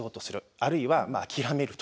あるいは諦めると。